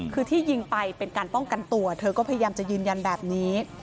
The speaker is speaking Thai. คือที่ยิงไปเป็นการป้องกันตัวเธอก็พยายามจะยืนยันแบบนี้